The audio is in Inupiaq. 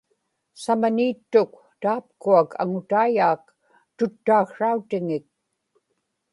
samani ittuk taapkuak aŋutaiyaak tuttaaksrautiŋik